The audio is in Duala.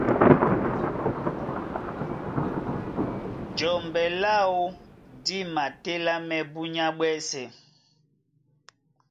Jɔmbɛ láō dí matélámɛ́ búnyá ɓwɛ́sɛ̄.